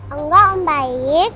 enggak om baik